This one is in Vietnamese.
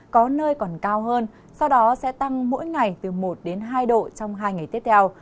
có nơi còn cao hơn sau đó sẽ tăng mỗi ngày từ một đến hai độ trong hai ngày tiếp theo